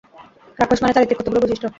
রাক্ষস মানে চারিত্রিক কতকগুলি বৈশিষ্ট্য।